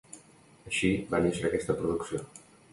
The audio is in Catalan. Així va néixer aquesta producció.